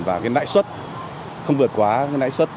và nãi xuất không vượt quá nãi xuất